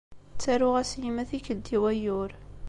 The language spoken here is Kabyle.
Ttaruɣ-as i yemma tikkelt i wayyur.